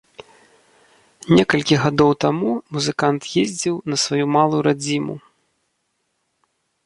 Некалькі гадоў таму музыкант ездзіў на сваю малую радзіму.